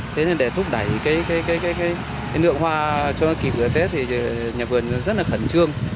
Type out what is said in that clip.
thế nên để thúc đẩy cái lượng hoa cho kịp bữa tết thì nhà vườn rất là khẩn trương